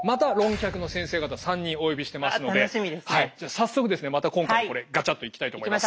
早速ですねまた今回これガチャッといきたいと思います。